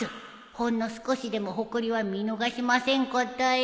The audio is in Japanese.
ほんの少しでもほこりは見逃しませんことよ！